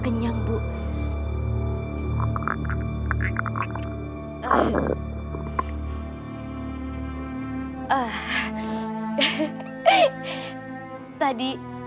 kamu jangan meliputi